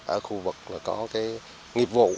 ở khu vực có cái nghiệp vụ